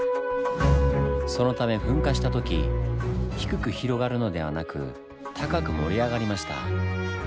そのため噴火した時低く広がるのではなく高く盛り上がりました。